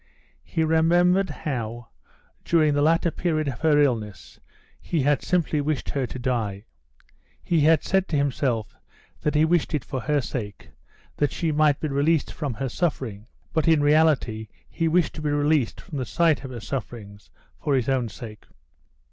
He remembered how, during the latter period of her illness, he had simply wished her to die. He had said to himself that he wished it for her sake, that she might be released from her suffering, but in reality he wished to be released from the sight of her sufferings for his own sake.